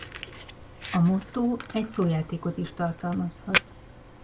A mottó egy szójátékot is tartalmazhat.